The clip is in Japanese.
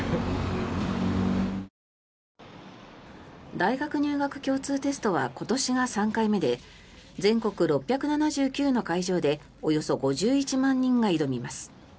大学入学共通テストは今年が３回目で全国６７９の会場でおよそ５１万人が挑みます。